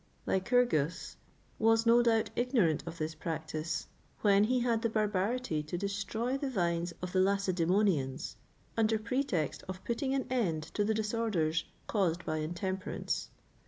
Lycurgus was, no doubt, ignorant of this practice, when he had the barbarity to destroy the vines of the Lacedæmonians, under pretext of putting an end to the disorders caused by intemperance.